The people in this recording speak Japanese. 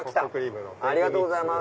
ありがとうございます。